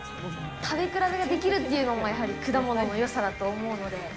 食べ比べができるというのも、やはり果物のよさだと思うので。